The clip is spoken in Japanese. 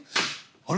「あれ？